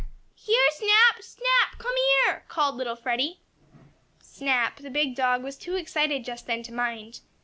"Here, Snap! Snap! Come here!" called Freddie. Snap, the big dog, was too excited just then to mind.